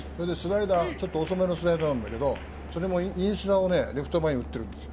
ちょっと遅めのスライダーなんだけど、それもレフト前に打ってるんだよ。